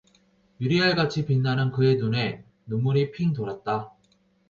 유리알같이 빛나는 그의 눈에 눈물이 핑 돌았다.